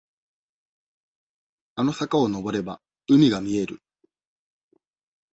あの坂をのぼれば、海が見える。